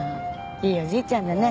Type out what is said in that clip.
いいおじいちゃんだね。